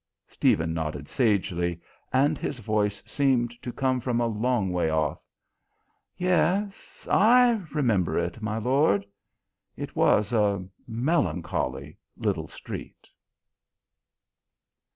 Stephen nodded sagely, and his voice seemed to come from a long way off: "Yes, I remember it, my lord. It was a melancholy little street."